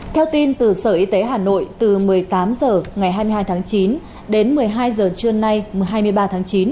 theo tin từ sở y tế hà nội từ một mươi tám h ngày hai mươi hai tháng chín đến một mươi hai h trưa nay hai mươi ba tháng chín